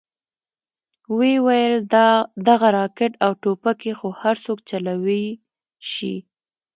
ويې ويل دغه راکټ او ټوپکې خو هرسوک چلوې شي.